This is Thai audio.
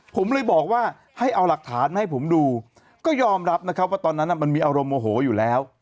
ผมเลยบอกว่าให้เอาหลักฐานมาให้ผมดูก็ยอมรับนะครับว่าตอนนั้นมันมีอารมณ์โมโหอยู่แล้ว